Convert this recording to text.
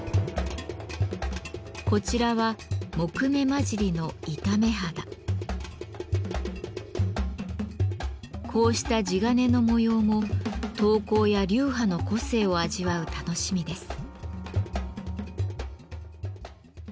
こちらはこうした地鉄の模様も刀工や流派の個性を味わう楽しみです。